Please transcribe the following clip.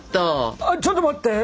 あっちょっと待って！